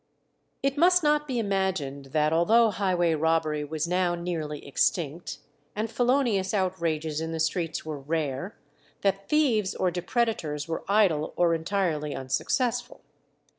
It must not be imagined that although highway robbery was now nearly extinct, and felonious outrages in the streets were rare, that thieves or depredators were idle or entirely unsuccessful.